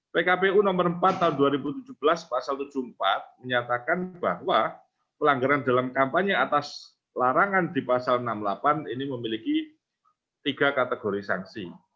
pkpu nomor empat tahun dua ribu tujuh belas pasal tujuh puluh empat menyatakan bahwa pelanggaran dalam kampanye atas larangan di pasal enam puluh delapan ini memiliki tiga kategori sanksi